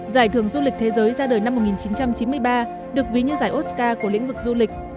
giải thưởng du lịch thế giới ra đời năm một nghìn chín trăm chín mươi ba được ví như giải oscar của lĩnh vực du lịch